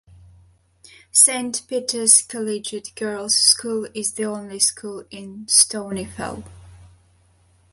Saint Peter's Collegiate Girls' School is the only school in Stonyfell.